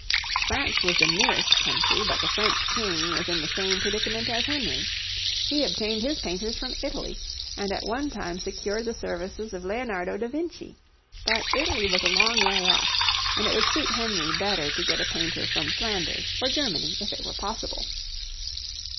France was the nearest country, but the French King was in the same predicament as Henry. He obtained his painters from Italy, and at one time secured the services of Leonardo da Vinci; but Italy was a long way off and it would suit Henry better to get a painter from Flanders or Germany if it were possible.